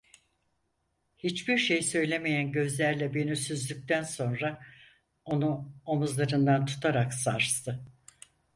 Hiçbir şey söylemeyen gözlerle beni süzdükten sonra onu omuzlarından tutarak sarstı.